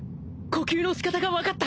呼吸の仕方が分かった！